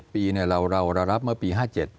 ปีเรารับเมื่อปี๕๗